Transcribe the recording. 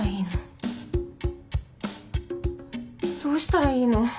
どうしたらいいの？